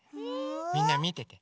みんなみてて！